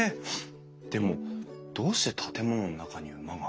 でもどうして建物の中に馬が？